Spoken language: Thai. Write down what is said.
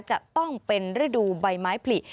จะต้องเป็นฤดูใบไม้ผลิ